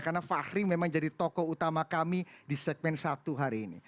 karena fahri memang jadi tokoh utama kami di segmen satu hari ini